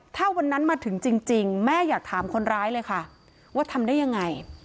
ถ้าวันนั้นมาถึงจริงแม่อยากถามคนร้ายเลยค่ะว่าทำได้ยังไง